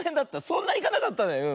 そんないかなかったね。